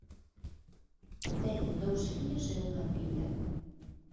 Teñen dous fillos e unha filla.